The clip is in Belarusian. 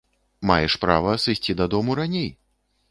Маеш права сысці дадому раней!